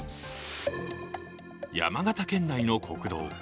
山形県内の国道。